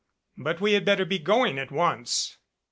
But we had better be going at once."